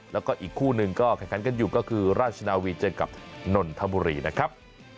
แล้วก็อีกคู่หนึ่งก็แข่งขันกันอยู่ก็คือราชนาวีเจอกับนนทบุรีนะครับ